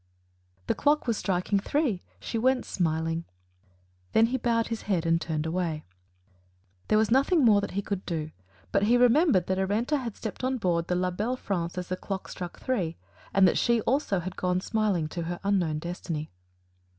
"The clock was striking three she went smiling." Then he bowed his head and turned away. There was nothing more that he could do; but he remembered that Arenta had stepped on board the La Belle France as the clock struck three, and that she also had gone smiling to her unknown destiny.